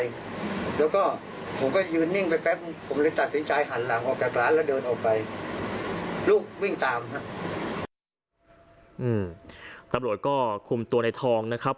ลูกวิ่งตามครับอืมตับโหลดก็คุมตัวในทองนะครับ